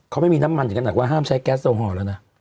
เขาไม่มีน้ำมันอย่างกันหนักว่าห้ามใช้แก๊สโอฮอลแล้วนะ